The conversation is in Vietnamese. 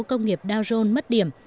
công nghiệp dow jones mất điểm